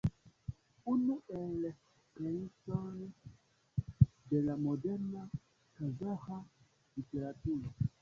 Unu el kreintoj de la moderna kazaĥa literaturo.